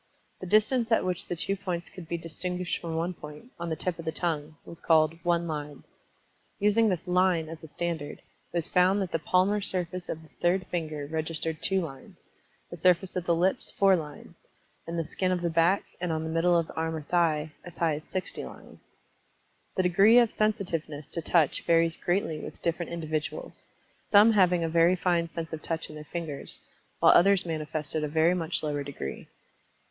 The distance at which the two points could be distinguished from one point, on the tip of the tongue, was called "one line." Using this "line" as a standard, it was found that the palmar surface of the third finger registered 2 lines; the surface of the lips 4 lines, and the skin of the back, and on the middle of the arm or thigh, as high as 60 lines The degree of sensitiveness to Touch varies greatly with different individuals, some having a very fine sense of touch in their fingers, while others manifested a very much lower degree.